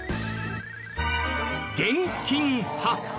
現金派。